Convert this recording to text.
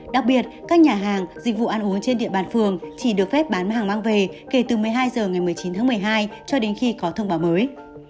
đặc biệt các nhà hàng dịch vụ ăn uống trên địa bàn phường chỉ được phép bán hàng mang về kể từ một mươi hai h ngày một mươi chín tháng một mươi hai cho đến khi có thông báo mới